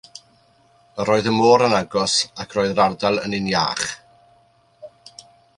Yr oedd y môr yn agos, ac yr oedd yr ardal yn un iach.